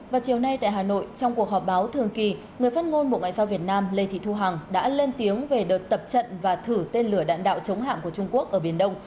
vào chiều nay tại hà nội trong cuộc họp báo thường kỳ người phát ngôn bộ ngoại giao việt nam lê thị thu hằng đã lên tiếng về đợt tập trận và thử tên lửa đạn đạo chống hạm của trung quốc ở biển đông